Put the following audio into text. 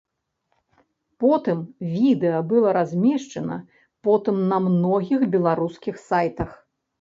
Потым відэа было размешчана потым на многіх беларускіх сайтах.